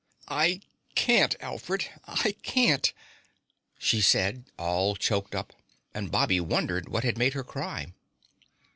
"I can't, Alfred! I can't!" she said all choked up, and Bobby wondered what had made her cry.